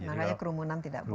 makanya kerumunan tidak boleh